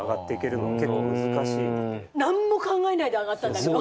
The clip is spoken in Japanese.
何も考えないで上がったんだけど。